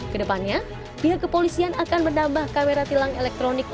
kedepannya pihak kepolisian akan menambah kamera tilang elektronik